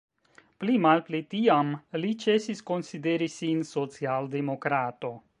Pli malpli tiam li ĉesis konsideri sin social-demokrato.